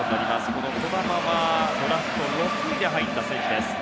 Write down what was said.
この児玉はドラフト６位で入った選手です。